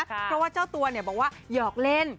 เพราะว่าเจ้าตัวบอกว่าหยอกเล่น